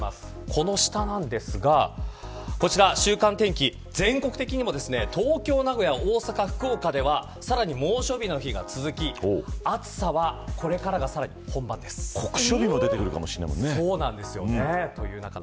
この下なんですが週間天気、全国的にも東京、名古屋、大阪、福岡ではさらに猛暑日の日が続き暑さは、これからが酷暑日も出ているかもしれませんもんね。